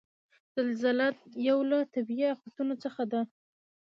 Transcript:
زلزله یو له طبعیي آفتونو څخه ده.